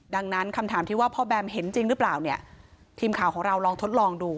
ดังนั้นคำถามที่ว่าพ่อแบมเห็นจริงหรือเปล่าเนี่ยทีมข่าวของเราลองทดลองดู